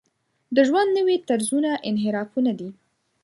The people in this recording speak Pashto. د ژوند نوي طرزونه انحرافونه دي.